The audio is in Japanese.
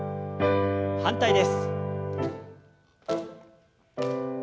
反対です。